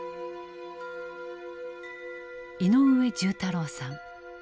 井上重太郎さん。